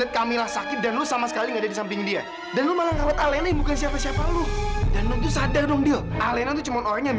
sampai jumpa di video selanjutnya